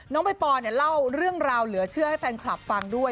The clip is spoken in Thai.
ใบปอลเนี่ยเล่าเรื่องราวเหลือเชื่อให้แฟนคลับฟังด้วย